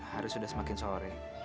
harus sudah semakin sore